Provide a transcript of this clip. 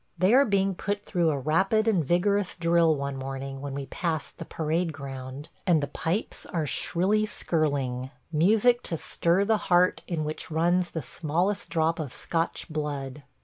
They are being put through a rapid and vigorous drill one morning when we pass the parade ground, and the pipes are shrilly skirling – music to stir the heart in which runs the smallest drop of Scotch blood.